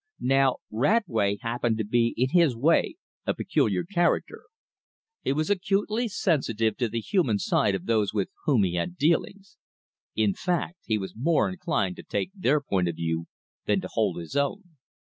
Now Radway happened to be in his way a peculiar character. He was acutely sensitive to the human side of those with whom he had dealings. In fact, he was more inclined to take their point of view than to hold his own.